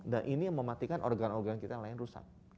dan ini mematikan organ organ kita yang lain rusak